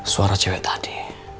suara cewek tadi